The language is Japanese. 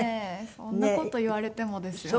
そんな事言われてもですよね。